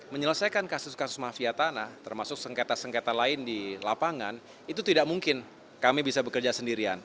menyelesaikan kasus kasus mafia tanah termasuk sengketa sengketa lain di lapangan itu tidak mungkin kami bisa bekerja sendirian